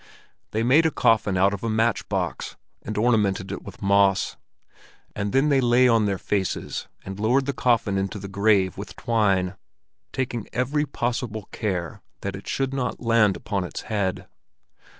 They made a coffin out of a matchbox, and ornamented it with moss; and then they lay on their faces and lowered the coffin into the grave with twine, taking every possible care that it should not land upon its head.